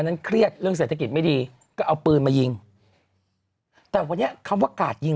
นั้นเครียดเรื่องเศรษฐกิจไม่ดีก็เอาปืนมายิงแต่วันนี้คำว่ากาดยิง